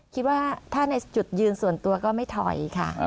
คิดว่าถ้าในจุดยืนส่วนตัวก็ไม่ถอยค่ะ